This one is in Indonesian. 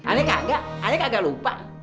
aneh kagak aneh kagak lupa